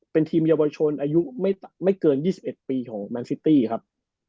เป็นทีมเยาวชนอายุไม่เกิน๒๑ปีของแมนซิตี้ครับ